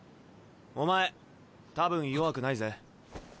お前多分弱くないぜ。